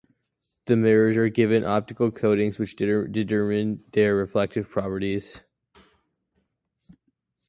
The mirrors are given optical coatings which determine their reflective properties.